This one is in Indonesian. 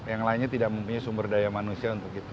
karena yang lainnya tidak mempunyai sumber daya manusia untuk itu